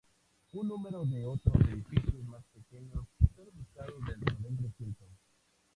Un número de otros edificios más pequeños están ubicados dentro del recinto.